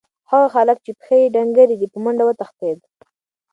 هغه هلک چې پښې یې ډنګرې دي، په منډه وتښتېد.